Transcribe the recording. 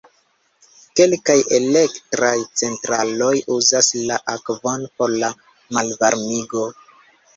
Kelkaj elektraj centraloj uzas la akvon por la malvarmigo.